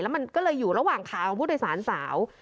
มันก็เลยอยู่ระหว่างขาของผู้โดยสารสาว